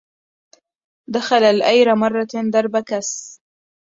دخل الأير مرة درب كس